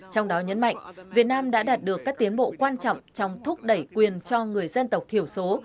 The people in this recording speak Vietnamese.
trong đó nhấn mạnh việt nam đã đạt được các tiến bộ quan trọng trong thúc đẩy quyền cho người dân tộc thiểu số